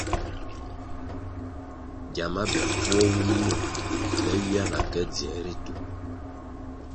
Gyama be mbvuo wum nwo me ywia na ke dziē ritu.